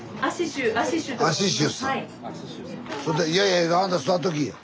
そんないやいやあんた座っときぃや。